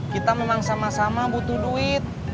kita memang sama sama butuh duit